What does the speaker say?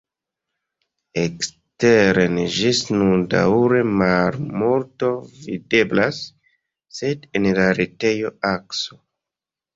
Eksteren ĝis nun daŭre malmulto videblas, sed en la retejo Akso.